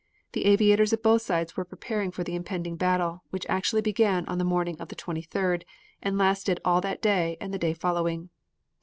The aviators of both sides were preparing for the impending battle, which actually began on the morning of March 23d and lasted all that day and the day following.